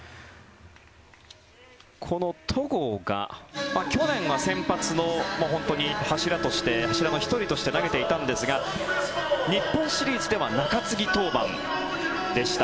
この戸郷が去年は先発の本当に柱の１人として投げていたんですが日本シリーズでは中継ぎ登板でした。